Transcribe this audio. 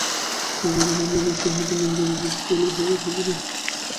রাজা বলিলেন, এ বৎসর হইতে মন্দিরে জীববলি আর হইবে না।